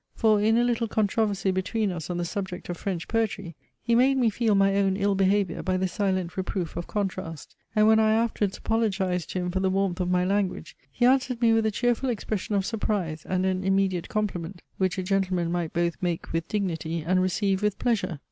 For in a little controversy between us on the subject of French poetry, he made me feel my own ill behaviour by the silent reproof of contrast, and when I afterwards apologized to him for the warmth of my language, he answered me with a cheerful expression of surprise, and an immediate compliment, which a gentleman might both make with dignity and receive with pleasure.